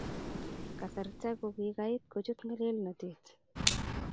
Kasarta kokikait kochut ngelelnotet